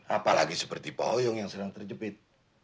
apalagi seperti pak oyung yang sedang terjepit